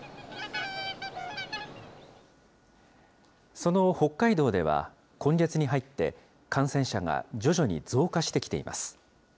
その北海道では、今月に入って、感染者が徐々に増加してきています。